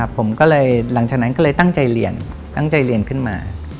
ผมก็เลยหลังจากนั้นก็เลยตั้งใจเรียนตั้งใจเรียนขึ้นมา